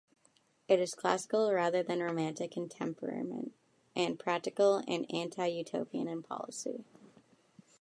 It is classical rather than romantic in temperament, and practical and anti-Utopian in policy.